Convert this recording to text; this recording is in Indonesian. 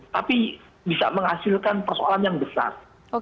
tapi bisa menghasilkan persoalan yang besar